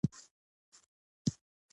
پسه یوازې د غوښې لپاره ارزښت لري.